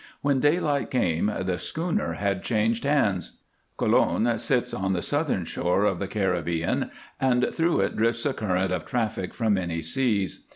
When daylight came the schooner had changed hands. Colon sits on the southern shore of the Caribbean, and through it drifts a current of traffic from many seas.